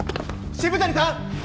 渋谷さん！